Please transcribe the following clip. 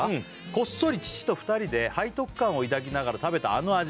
「こっそり父と２人で背徳感を抱きながら食べたあの味が」